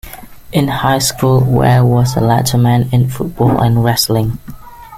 In High School Ware was a letterman in football and wrestling.